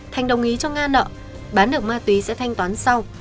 thành đồng ý cho nga nợ bán được ma túy sẽ thanh toán sau